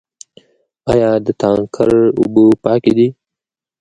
آیا د تانکر اوبه پاکې دي؟